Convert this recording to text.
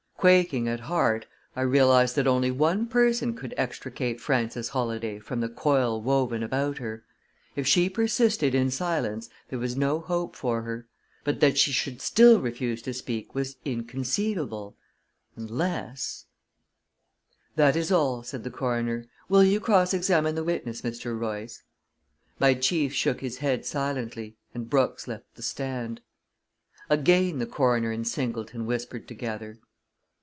Quaking at heart, I realized that only one person could extricate Frances Holladay from the coil woven about her. If she persisted in silence, there was no hope for her. But that she should still refuse to speak was inconceivable, unless "That is all," said the coroner. "Will you cross examine the witness, Mr. Royce?" My chief shook his head silently, and Brooks left the stand. Again the coroner and Singleton whispered together.